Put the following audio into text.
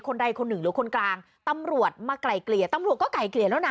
ใดคนหนึ่งหรือคนกลางตำรวจมาไกลเกลี่ยตำรวจก็ไกลเกลี่ยแล้วนะ